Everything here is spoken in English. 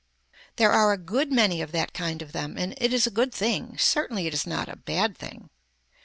There are a good many of that kind of them and it is a good thing, certainly it is not a bad thing.